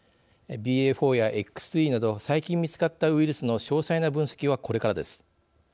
ＢＡ．４やＸＥなど最近見つかったウイルスの詳細な分析はこれからです。